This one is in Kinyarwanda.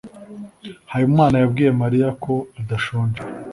habimana yabwiye mariya ko adashonje